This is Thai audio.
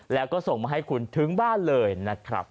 แล้วก็ส่งมาให้คุณถึงบ้านเลยนะครับ